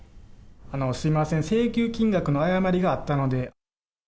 すみません、請求金額の誤りがあったので。